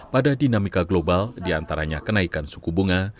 pada dinamika global diantaranya kenaikan suku bunga